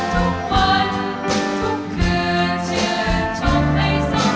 ขอบความจากฝ่าให้บรรดาดวงคันสุขสิทธิ์